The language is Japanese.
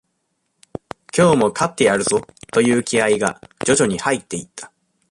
今日も勝ってやるぞという気合が、徐々に入っていった。